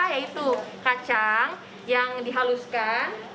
yaitu kacang yang dihaluskan